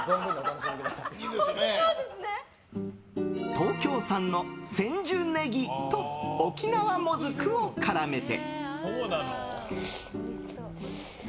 東京産の千寿葱と沖縄もずくを絡めて。